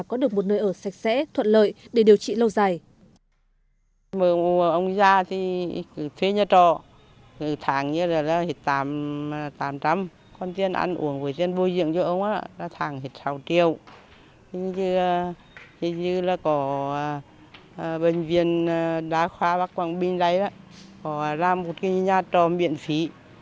có được một nơi ở sạch sẽ thuận lợi để điều trị lâu dài